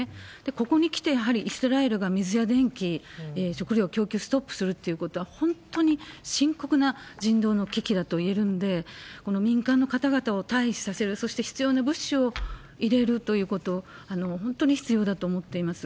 ここにきて、やはりイスラエルが水や電気、食料の供給ストップするってことは本当に深刻な人道の危機だと言えるんで、この民間の方々を退避させる、そして必要な物資を入れるということ、本当に必要だと思っています。